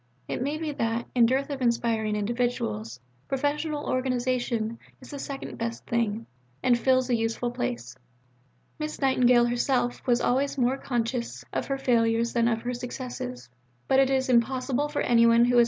It may be that, in dearth of inspiring individuals, professional organization is the second best thing, and fills a useful place. Miss Nightingale herself was always more conscious of her failures than of her successes.